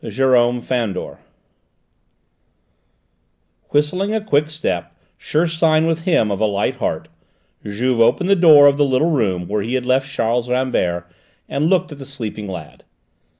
JÉRÔME FANDOR Whistling a quick step, sure sign with him of a light heart, Juve opened the door of the little room where he had left Charles Rambert, and looked at the sleeping lad.